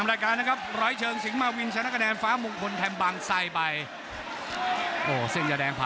มากินกันในช่วงปลายนี้กันนะ